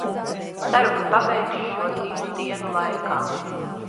Ceru, ka pabeigšu šo divu dienu laikā.